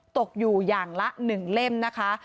ตกอยู่อย่างละ๑เล่มนะคะ